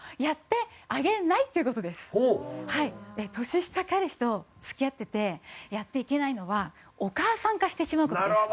年下彼氏と付き合っててやっていけないのはお母さん化してしまう事です。